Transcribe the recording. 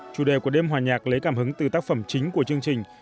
chủ đề của đêm hòa nhạc lấy cảm hứng từ tác phẩm chính của chương trình